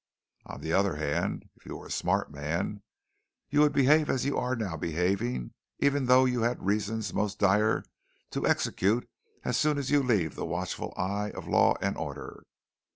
On the other hand, if you were a smart man, you would behave as you are now behaving even though you had reasons most dire to execute as soon as you leave the watchful eye of law and order.